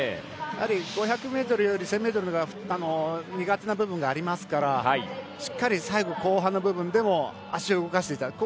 やはり５００ｍより１０００ｍのほうが苦手な部分がありますからしっかり最後、後半の部分でも足を動かしていた。